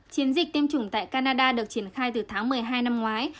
chiến dịch tiêm chủng tại canada được triển khai từ tháng một mươi hai năm ngoái